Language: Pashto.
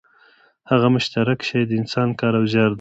هغه مشترک شی د انسان کار او زیار دی